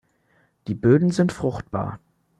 Die Böden sind fruchtbar.